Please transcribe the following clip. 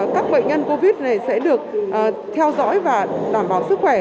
các bệnh nhân covid một mươi chín sẽ được theo dõi và đảm bảo sức khỏe